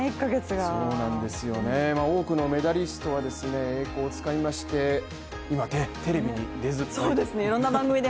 多くのメダリストは栄光をつかみまして今、テレビに出ずっぱりと。